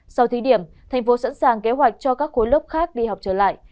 sau thí điểm thành phố sẵn sàng kế hoạch cho các khối lớp khác đi học trở lại